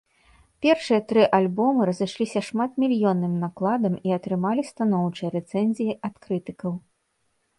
Першыя тры альбомы разышліся шматмільённым накладам і атрымалі станоўчыя рэцэнзіі ад крытыкаў.